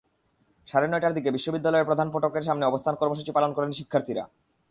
সাড়ে নয়টার দিকে বিশ্ববিদ্যালয়ের প্রধান ফটকের সামনে অবস্থান কর্মসূচি পালন করেন শিক্ষার্থীরা।